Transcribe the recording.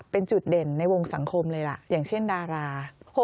เป็นจุดเด่นในวงสังคมเลยล่ะอย่างเช่นดารา